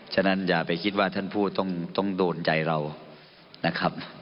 ฉะนั้นอย่าไปคิดว่าท่านพูดต้องโดนใจเรานะครับ